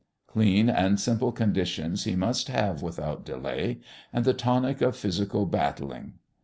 Clean and simple conditions he must have without delay, and the tonic of physical battling.